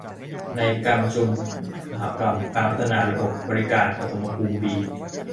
ในการประชุมมหกรรม การพัฒนาระบบบริการปฐมภูมิ ปี